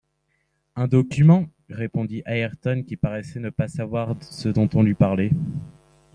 Un document? répondit Ayrton, qui paraissait ne pas savoir ce dont on lui parlait.